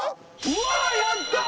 うわやった！